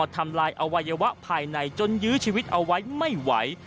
ทำลายอวัยวะภายในจนยื้อชีวิตเอาไว้ไม่ไหว